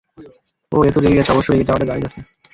ওহ, এ তো রেগে গেছে, অবশ্য রেগে যাওয়াটা জায়েজ আছে।